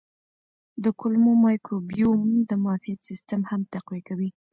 د کولمو مایکروبیوم د معافیت سیستم هم تقویه کوي.